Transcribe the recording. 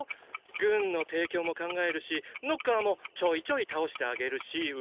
軍の提供も考えるしノッカーもちょいちょい倒してあげるしうん！